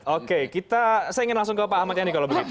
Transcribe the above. oke saya ingin langsung ke pak ahmad yani kalau begitu